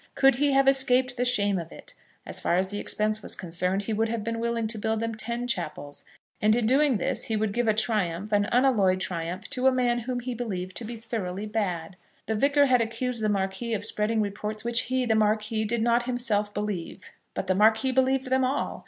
Could he have escaped the shame of it, as far as the expense was concerned he would have been willing to build them ten chapels. And in doing this he would give a triumph, an unalloyed triumph, to a man whom he believed to be thoroughly bad. The Vicar had accused the Marquis of spreading reports which he, the Marquis, did not himself believe; but the Marquis believed them all.